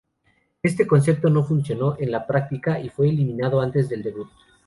Este concepto no funcionó en la práctica y fue eliminado antes del debut.